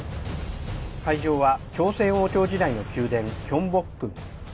会場は朝鮮王朝時代の宮殿キョンボックン。